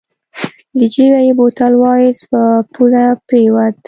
له جېبه يې بوتل واېست په پوله پرېوت.